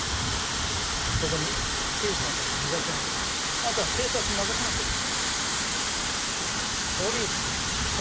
ここに刑事さんたちもいらっしゃいますからあとは警察に任せましょう。